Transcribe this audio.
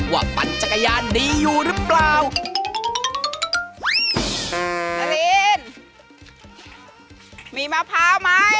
ว่าปัดจักรยานดีอยู่หรือเปล่า